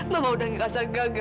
mama udah ngerasa gagal